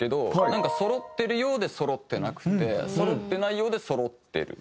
なんかそろってるようでそろってなくてそろってないようでそろってる。